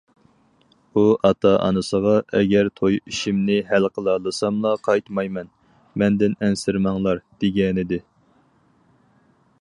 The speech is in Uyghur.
ئۇ ئاتا- ئانىسىغا« ئەگەر توي ئىشىمنى ھەل قىلالىساملا قايتمايمەن، مەندىن ئەنسىرىمەڭلار» دېگەنىدى.